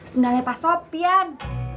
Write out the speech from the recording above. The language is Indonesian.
sendalnya pak sopian